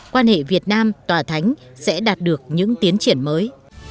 quan hệ việt nam tòa thánh sẽ đạt được những tiến triển mới